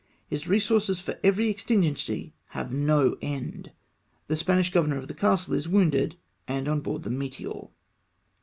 His resources for every exigency have no end. The Spanish governor of the castle is wounded and on board the Meteor.